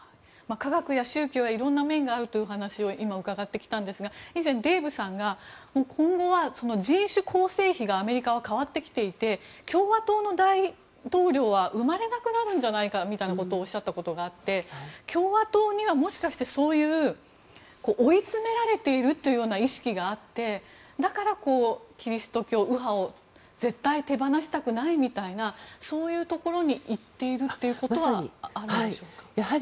科学や宗教はいろんな面があるという話を今、伺ってきたんですが以前、デーブさんが今後は人種構成比がアメリカは変わってきていて共和党の大統領は生まれなくなるんじゃないかみたいなことをおっしゃったことがあって共和党にはもしかして、そういう追い詰められているという意識があって、だからキリスト教右派を絶対手放したくないみたいなそういうところにいっているということはあるんでしょうか。